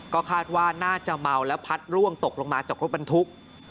ก็คาดว่าน่าจะเมาแล้วพัดร่วงตกลงมาจากรถบรรทุก